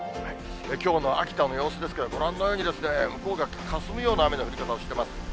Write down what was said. きょうの秋田の様子ですけど、ご覧のように、向こうがかすむような雨の降り方をしてます。